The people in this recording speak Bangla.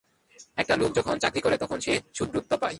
একটা লোক যখন চাকরি করে, তখন সে শূদ্রত্ব পায়।